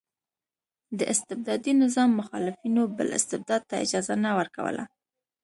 د استبدادي نظام مخالفینو بل استبداد ته اجازه نه ورکوله.